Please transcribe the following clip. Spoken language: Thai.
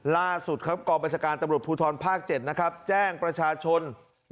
ล่าสุดกรบบริษการตำรวจพูทรภาค๗แจ้งประชาชน